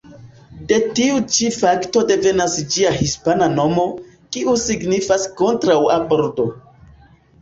De tiu ĉi fakto devenas ĝia hispana nomo, kiu signifas "kontraŭa bordo".